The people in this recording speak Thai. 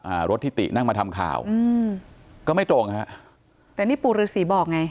อ่ารถที่ตินั่งมาทำข่าวอืมก็ไม่ตรงฮะแต่นี่ปู่ฤษีบอกไง